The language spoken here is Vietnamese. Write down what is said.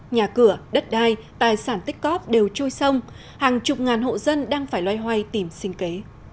nhà cửa đất đai tài sản tích cóp đều trôi sông hàng chục ngàn hộ dân đang phải loay hoay tìm sinh kế